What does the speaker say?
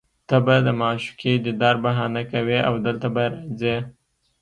ته به د معشوقې دیدار بهانه کوې او دلته به راځې